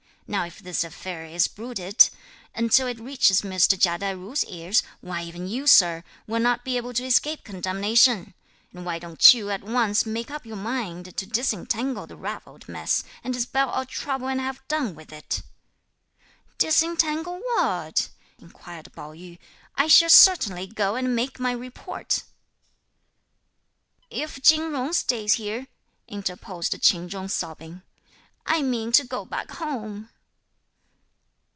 Now if this affair is bruited, until it reaches Mr. Chia Tai ju's ears, why even you, sir, will not be able to escape condemnation; and why don't you at once make up your mind to disentangle the ravelled mess and dispel all trouble and have done with it!" "Disentangle what?" inquired Pao yü; "I shall certainly go and make my report." "If Chin Jung stays here," interposed Ch'in Chung sobbing, "I mean to go back home."